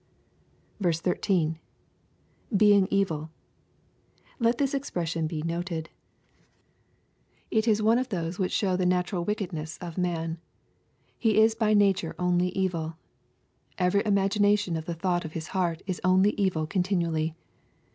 l^.^Being evil] Lei: this expression be noted. It is one of Hioat LUKE, CHAP, XI. 13 which show the natural wickedness of man. He is by nature onlj evil " Every imagination o^ *He thought of his heart is only evil continually."